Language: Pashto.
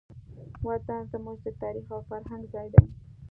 وطن زموږ د تاریخ او فرهنګ ځای دی.